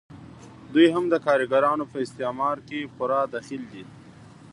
دوی هم د کارګرانو په استثمار کې پوره دخیل دي